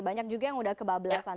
banyak juga yang udah kebablasan